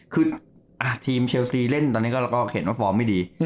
คือทีมเชลซีเล่นตอนนี้เราก็เห็นว่าฟอร์มไม่ดี